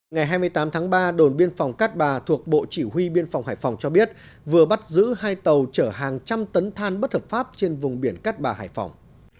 ngày hai mươi tám tháng ba đồn biên phòng cát bà thuộc bộ chỉ huy biên phòng hải phòng cho biết vừa bắt giữ hai tàu chở hàng trăm tấn than bất hợp pháp trên vùng biển cát bà hải phòng